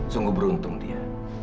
sungguh beruntung dia